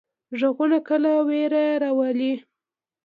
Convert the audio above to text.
غږونه کله ویره راولي.